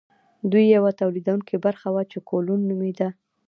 دوی یوه تولیدونکې برخه وه چې کولون نومیدل.